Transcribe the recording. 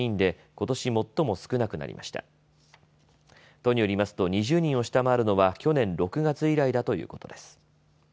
都によりますと２０人を下回るのは去年６月以来だということです。